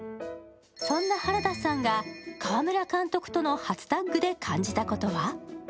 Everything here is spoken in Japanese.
そんな原田さんが川村監督との初タッグで感じたことは？